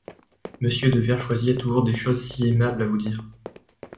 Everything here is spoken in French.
Monsieur de Vertchoisi a toujours des choses si aimables à vous dire !